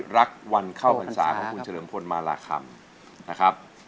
รักวันเข้าพรรษาของคุณเฉลิมพลมาราคำนะครับ